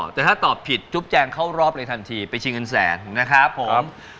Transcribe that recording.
แต่ถ้าตอบผิดจุ๊บแจงเข้ารอบเลยทันทีไปชิงเงินแสนนะครับผม